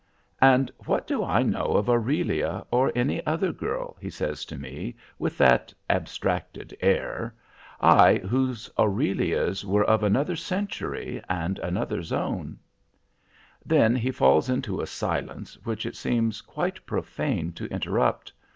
"And what do I know of Aurelia or any other girl?" he says to me with that abstracted air. "I, whose Aurelias were of another century and another zone." Then he falls into a silence which it seems quite profane to interrupt.